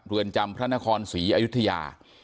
เรือนจำพระนครศรีอยุธยา